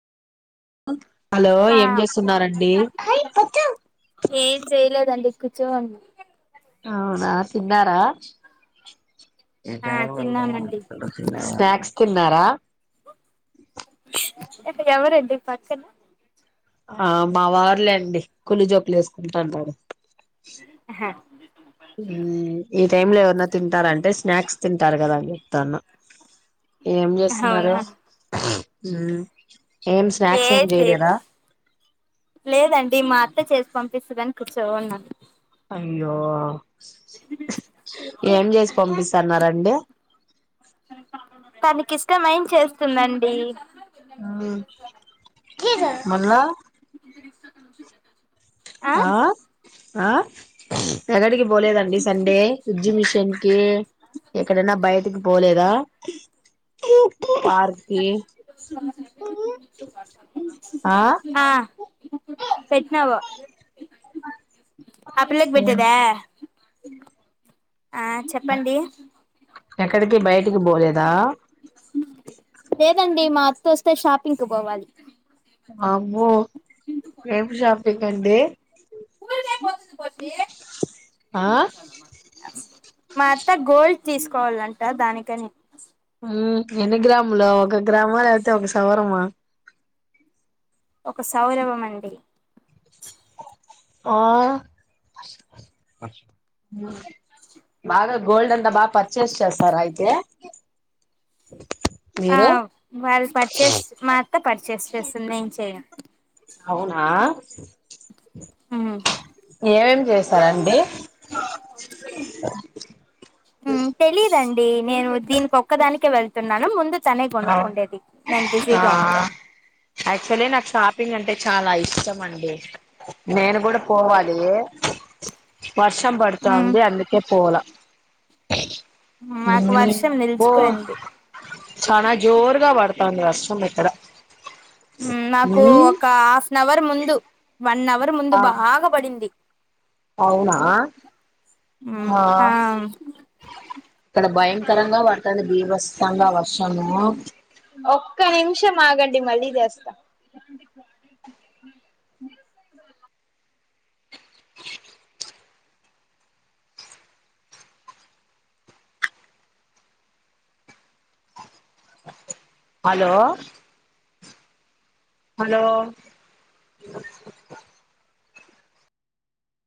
అ hello ఆ ఏం చేస్తున్నారండి కుచ్చోవున్నా అవునా తిన్నారా ఆ తిన్నామండి స్నాక్స్ కున్నారా ఇక ఎవరండి పక్కన ఆ మావారులేండి కుళ్ళు జోకులేసుకుంటాంటారు హా ఈ టైమ్ లో ఎవరనా తింటారంటే స్నాక్స్ తింటారు కదా అని చెప్తాన్నా ఏం చేస్తున్నారు అవునా మ్ ఏం ఏ స్నాక్స్ ఏం చేయలేదా దీ మాత్త చేసి పంపిస్తుదని కూర్చో ఉన్నాను అయ్యో ఏం చేసి పంపిస్ తాన్నారండి తనకిష్టమైంది చేస్తుందండి మల్లా ఆ ఆ ఎగడికి పోలేదండి సండే ఎగ్జిమిషన్ కి ఎక్కడైనా బైటికి పోలేదా పార్కి ఆ పెట్టినావు ఆ పిల్లకి పెట్టేదా ఆ చెప్పండి ఎక్కడికి బైటికి పోలేదా లేదండి మా అత్తోస్తే షాపింగ్ కు పోవాలి వామ్మో ఏమి షాపింగ్ కండి ఆ మా అత్త గోల్డ్ తీసుకోవాలంట దానికని మ్ ఎన్ని గ్రాములో ఒక గ్రామా లేకపోతే ఒక సవరమా ఒక సవరవమండి ఆ బాగా గోల్డ్ అంతా బా పర్చేస్ చేస్తారా అయితే ఆ మీరు వాళ్ళు పర్చేస్ మా అత్త పర్చేస్ చేస్తుంది నేం చెయ్యను అవునా మ్మ్ ఏం చేశారండి మ్ తెలీదండి నేను దీనికొక్కదానికే వెళ్ తున్నాను ముందు తనే కొనుక్కుండేది నేను ఆ బిజీగా ఉంటాను యాక్చువల్లీ నాకు షాపింగ్ అంటే చాలా ఇష్టం అండి నేను కూడా పోవాలియే వర్షం పడుతా మ్మ్ ఉంది అందుకే పోలా మాకు వర్షం బో నిల్చిపోయింది చానా జోరుగా వాడతాంది వర్షం ఇక్కడ నాకు ఒక హాఫ్ నవర్ ముందు వన్ అవర్ ముందు ఆ బాగా పడింది అవునా మ్మ్ ఓ ఆ క్కడ భయంకరంగా పడుతుంది భీభత్సంగా వర్షము డి మళ్ళీ చేస్తా హలో హలో